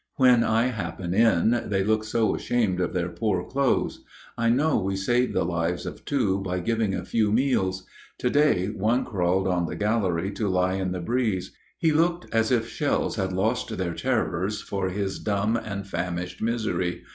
When I happen in, they look so ashamed of their poor clothes. I know we saved the lives of two by giving a few meals. To day one crawled on the gallery to lie in the breeze. He looked as if shells had lost their terrors for his dumb and famished misery.